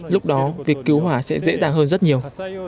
lúc đó việc cứu hỏa sẽ dễ dàng hơn rất nhiều